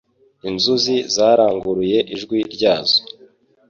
inzuzi zaranguruye ijwi ryazo